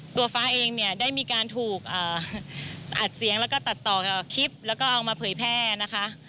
ตัวฟ้าเองเนี่ยได้มีการถูกอัดเสียงแล้วก็ตัดต่อกับคลิปแล้วก็เอามาเผยแพร่นะคะ